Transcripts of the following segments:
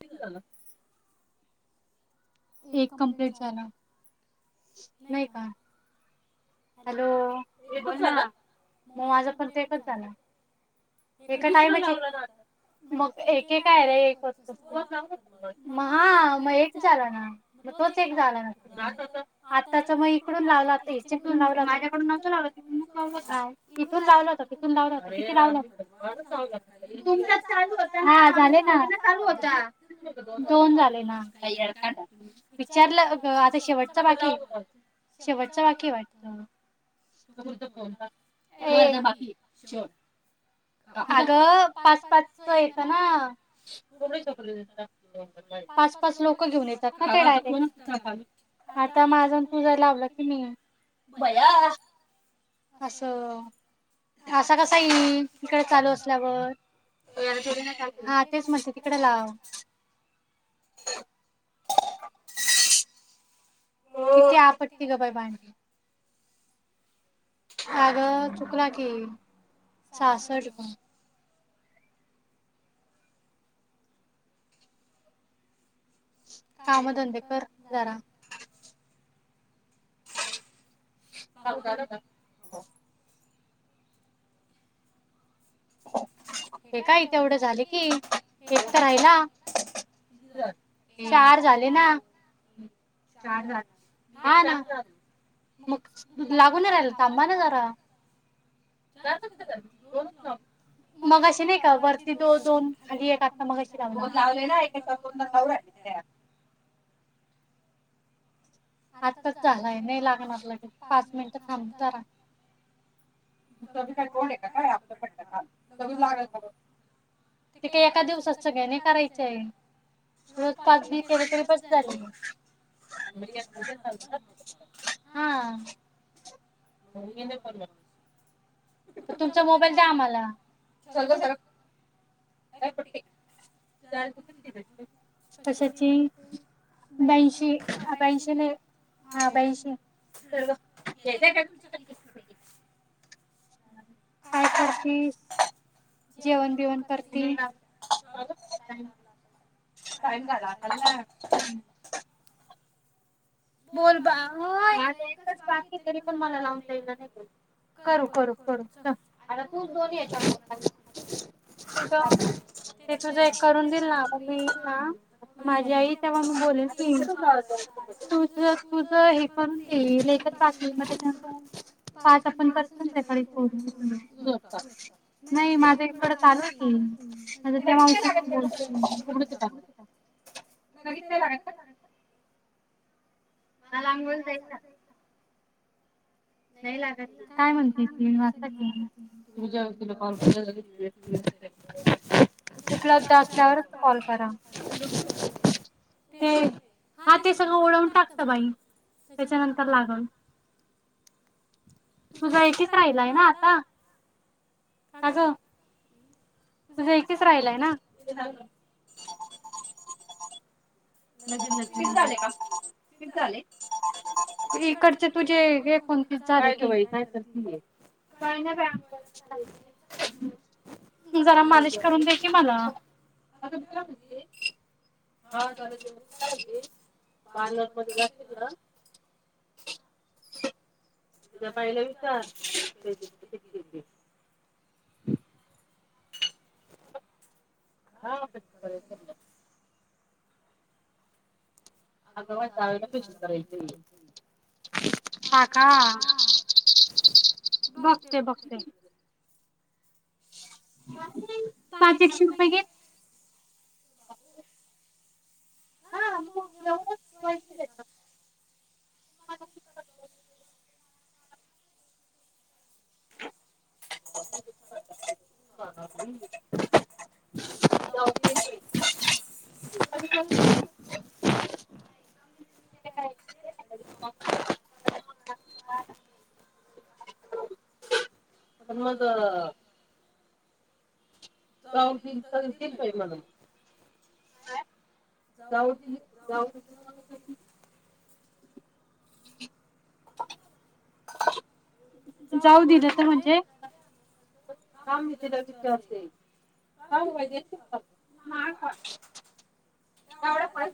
किती झाला? एक कंप्लीट झाला. नाही का? हॅलो! एकचं झाला, मग माझं पण एकचं झाला. एका टाईम ला ठेवल होत वाटतं, मग एक एक हाय रे एक [unintelligible] मग हा मग एक झाला ना, मग तोच एक झाला ना. आत्ताच मग इकडून लावला आता हेची लावला माझ्याकडून नव्हता लावला तिकडूनच लावला होता, इथून लावला होता तिथून लावला होता की तिकडून लावला होता. कालचं लावला लावला होता काय यं? तुमचाचं चालू होता ना, हा झाले ना दोन झाले ना. काय वेळ काय झाल? विचारलं आता शेवटचा बाकीयं शेवटचा बाकीयं होय. तो तुमचा फोन चा, बोलायचं बाकी आहे शेवट. अगं पाच पाच च येतं ना, [unintelligible] पाच पाच लोक घेऊन येतात ना टायरेक्ट, [unintelligible] फोनचं चालूय आता माझानं तूझा लावला किनयं. बया! असं असं कसा इल इकडे? चालू असल्यावर [unintelligible] थोडीना चालुय हा तेच, म्हणते तिकडे लावाव. [unintelligible] किती आपटते गं बाय भांडी? अगं चुकला की, [unintelligible] कामधंदे कर जरा. पाऊस झाला का? हे काय इथे एवढं झाले कि, एक तर राहिला किती झाले? चार झाले ना. चार झाले, हा ना. मग लागून नाही राहिल, थांबा ना जरा. [unintelligible] दोनचं मग अशी नाही का? वरती दो- दोन खाली एक आत्ता मगाशी लावला, दोन लावले ना [unintelligible] आत्ताच झालाय नाही लागणार, लगेच पाच मिनिटं थांबू जरा. [unintelligible] काय तोंड आहे का काय? [unintelligible] कधी लागेल खबर. ते काय एका दिवसात सगळ्या नाही, करायचं आहे. रोज पाच बी केले तरी, बसं झाली. [unintelligible] हा. तुमचा मोबाईल द्या आम्हाला [unintelligible] सरक. ये कुटी चार्ज किती येतात गं? कशाची [unintelligible] [unintelligible] नाही हा बाईशी [unintelligible] आहे काय गं [unintelligible] छोटी. काय करती? जेवण बिवण करतील ना. [unintelligible] काय कराव आता म. बोलबा आ एकच बाकी तरी पण, मला लावून द्याला नाही बं. करू करू करू चल, आता तूच दोन याच्या [unintelligible] ते तुझ एक करून दिल ना, मी येईल ना माझी आई तेव्हा मी बोलेन. हम्म, [unintelligible] तुझ तुझ हे करून देई [unintelligible] ते च्यानंतर पाच आपण पा [unintelligible] नाही माझ इकड चालू [unintelligible] मला अंघोळीला जायच. नाही लाग, काय म्हणते [unintelligible] [unintelligible] ते, हां ते सगळं ओडून टाकतं बाई. त्येच्यानंतर लागन. तुझा एकच राहिलाय ना आता, अग. तुझं एकच राहिलाय ना. [unintelligible] इकडचे तुझे हे कोणते? काय ग बाई काय करतीय? काय नाई बाई अंघोळी ला चाललेय. त जरा मालीस करून दि कि मला. आपण काय म्हणते? हा झाले ते [unintelligible] पार्लरमध्ये जायच तुला तुला पाहिलंय का? [unintelligible] हा, [unintelligible] [unintelligible] हं का, मा का, बघते बघते. [unintelligible] पाच एकशे रुपये घे हं मग घेऊनच पैस येत. [unintelligible] [unintelligible] जाऊ दे स [unintelligible] मग. गावठी टी म्हणून जाऊ जाऊ. [inaudible] जाऊ दिलं तर म्हणजे आ मी तिला विचारते. ब वजयश माहागा हा तीत एवढा पण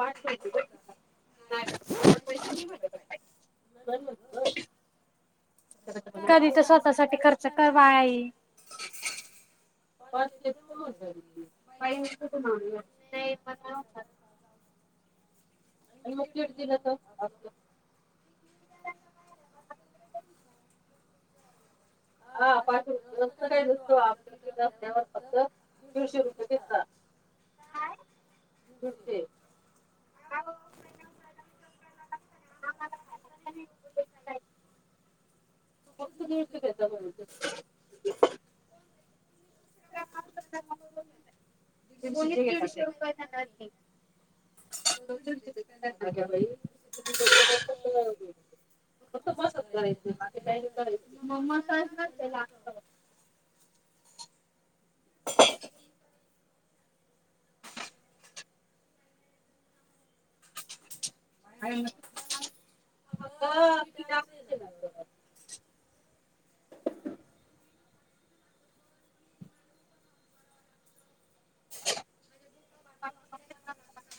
बस पाठ [unintelligible] कधी तर स्वतःसाठी खर्च कर बाई. [unintelligible] आणि मग तेच दिलं तर की हा पाचशे रुपये गी जास्त काही नसतो आपलं पिठा असल्यावर फक्त दीडशे रुपये घेता काय? दूध ठेव. [unintelligible] [unintelligible] [unintelligible] दीडशे घेता का दीडशे रुपये देणार मी जो दीडशे देतो त्यांना घ्यावी बाई फक्त मसाज करायचं बाकी काही नाही करायचं मग मसाजलाच हे लागतं. [unintelligible] [unintelligible]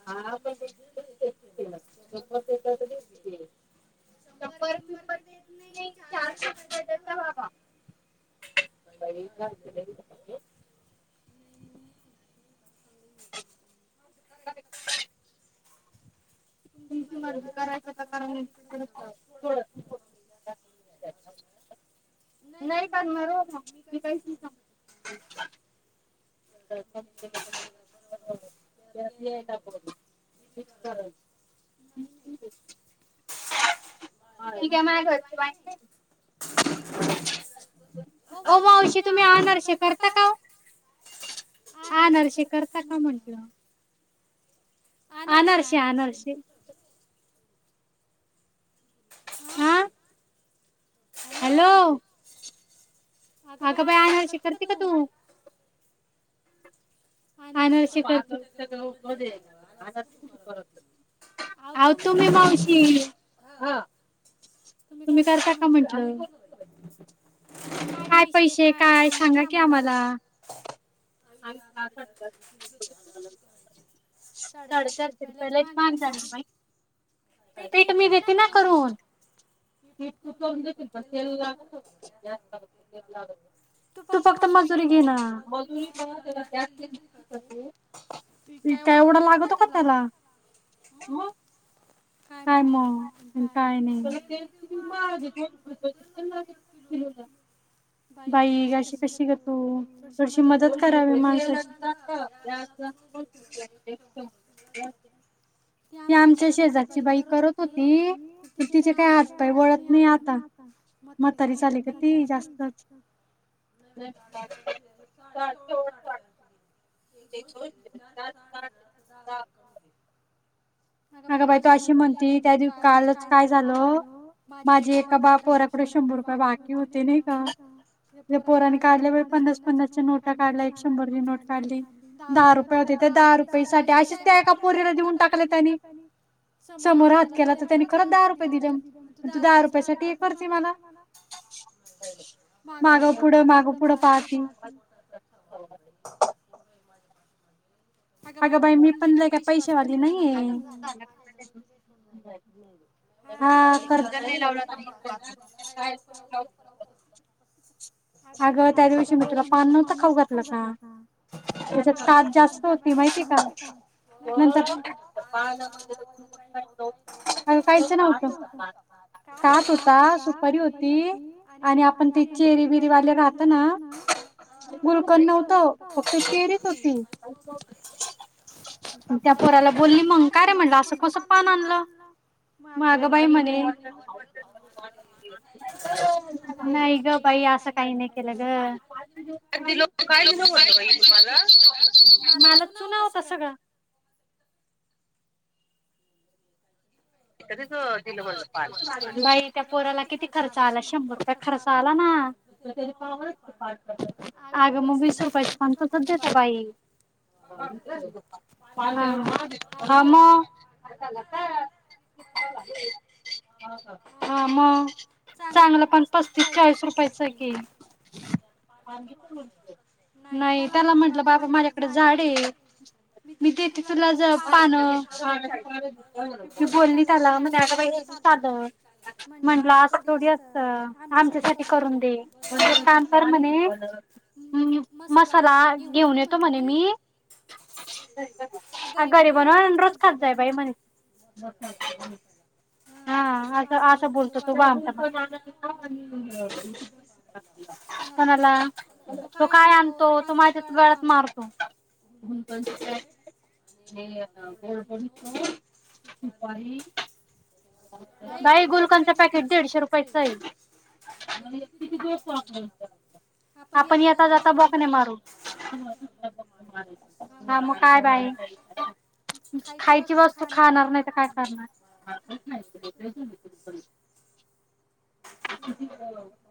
[unintelligible] मी चेकही केलं शंभर देता तर [unintelligible] शंपर बिबर मी देत नाही चारशे रुपये देता बाबा. बघितला असे लय होतात. [inaudible] तुमची मर्जी करायचं तर करा नाही तर, तिकड म्हण्या तिथ डस्टर्न् नाही का मरो, मी काहीशी सांग. [unintelligible] सहज [unintelligible] ती काय माय घरच बाईक नाही ओ मावशी तुम्ही आणारसेे करता काओ अनारसे करता का म्हटलं अनारसे अनारसे हां हॅलो आग बाई आनारसेे करते का तू? अनारसे करतात पार्लरच्या ग्रुप मध्ये आहे ना ग अनारसे कुठून करन गं ती. आहो तुम्ही मावशी. हो. तुम्ही करता का म्हटल. काय पैसे काय सांगा की आम्हाला. साडेचारशे रुपयालाच महाग झाल ग बाई. पीठ मी देते ना करून. पीट तु करून देशील पण तेल लागल गॅस बी लागल पीट लागत तू फक्त मजुरी घे ना. पिट काय ऐवढ लागत का त्याला. काय मग काय नाही. बाईग अशी कशी ग तू कशी मदत करावी मानसाची. गॅस दोनशे रुपयाला [unintelligible] ती आमच्या शेजारची बाई करत होती तिचे काही तिचे काही हात पाय गळत नाही आता. म्हातारी झाली का ती जास्त नाही बाई [unintelligible] नाही दोनशेआहे ना चारशेसाट दहा रुपये कमी. हगा बाई तू अशी म्हती त्यानल काय झाल माझी एका बारा पोरा कड बाकी होत्या नाही तवा. पोरांनी काडलया बाई पन्नास पन्नास च्या नोटा काडलया दहा रुपयाची नोट काढली. दहा रुपये होते दहा रुपये असेल त्या एका पोरीला देऊन टाकले त्यांनी त्यांनी समोर हात केला, तर त्यांनी खरंच दहा रुपये दिले अन तू दहा रुपया साठी हे करती मला मागपुढ, मागपुढ पाहती. [unintelligible] अगं बाई मी पण लय काही पैसे वाली नाहीय. [unintelligible] अगं त्या दिवशी तुला पान नव्हत खाऊ घातलं का? सात जागा. काय झाल माहितीय हे का? काल ना कायचं नाय व्हंत काथ होता, सुपारी होती. आणि आपण घरी गुलकंद नव्हतं. हो बघु की. अच्छा, मग त्या पोराला बोलली मग, काय रे म्हणलं असं कसं पान आणलं? अगं बाई म्हणे नाही गं बाई. असं काही नाही केलं गं आणि ती लोकं काय दिल होतं बाई तुम्हाला माला चुना होता सगळा. कधीच दिलं म्हण. [unintelligible] बाई त्या पोराला किती खर्च आला? शंभर रुपया खर्च आला नां. अगं, मग वीस रुपयचं पानं तसचं देेता बाई. हा म [unintelligible] हा का, हा मग चांगलं पान पस्तीस, चाळीस रुपयाचं हाय की. [unintelligible] वांगी तोडली. नाही, त्याला म्हटलं बाबा माझ्याकडे झाडं आहे. मी देते तुला ज पान. मी बोलली त्याला म्हणतो, अगं बाई हे नाही चालत म्हटलं असं थोडी असत. आमच्यासाठी करून दे म्हणे, एक काम कर म्हणे मसाला घेऊन येतो म्हणे मी. [unintelligible] घरी बनव अनं रोज खात जा बाई म्हणे. झोप लागत नाही. हा, असं असा बोलतो तो भामटा मला. [unintelligible] कोणाला? तो काय आणतो तो माझ्याच गळ्यात मारतो. गुलकंदचे पॅकेट आणि गोड बडीशोप, सुपारी बाई गुलकंदचं पॅकेट दीडशे रुपयाचं आहे. [unintelligible] आपण येता जाता बॉकणे मारू. [unintelligible] हा, मग काय बाई? खायची वस्तू खाणार नाही तर, काय करणार? लय वेळ झालाय. किती व-वर्ष